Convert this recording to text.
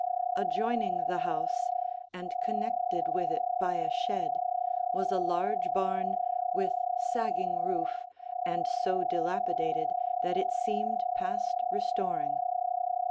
Adjoining the house, and connected with it by a shed, was a large barn with sagging roof and so dilapidated that it seemed past restoring.